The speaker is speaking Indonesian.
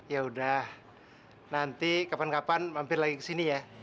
yaudah nanti kapan kapan mampir lagi ke sini ya